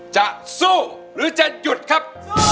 จะสู้หรือจะหยุดครับ